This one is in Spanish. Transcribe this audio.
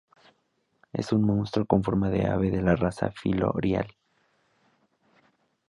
Es un monstruo con forma de ave de la raza filo-rial.